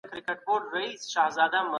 پاچا د مخکنیو پاچاهانو شتمني بادوي.